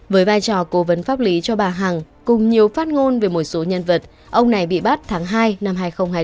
với vai trò cố vấn pháp lý cho bà hằng cùng nhiều phát ngôn về một số nhân vật ông này bị bắt tháng hai năm hai nghìn hai mươi